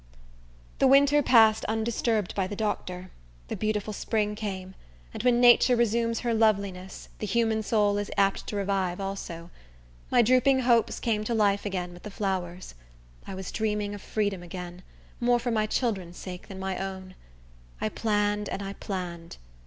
The winter passed undisturbed by the doctor. The beautiful spring came; and when Nature resumes her loveliness, the human soul is apt to revive also. My drooping hopes came to life again with the flowers. I was dreaming of freedom again; more for my children's sake than my own. I planned and I planned.